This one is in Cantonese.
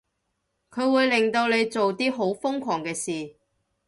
佢會令到你做啲好瘋狂嘅事